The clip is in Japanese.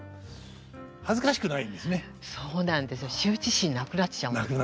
そうなんですよ羞恥心なくなっちゃうんですよ。